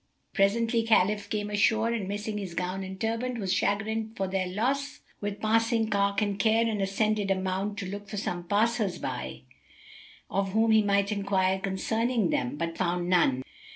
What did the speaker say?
Presently, Khalif came ashore and, missing his gown and turband, was chagrined for their loss with passing cark and care and ascended a mound, to look for some passer by, of whom he might enquire concerning them, but found none.